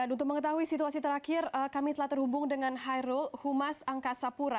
untuk mengetahui situasi terakhir kami telah terhubung dengan hairul humas angkasa pura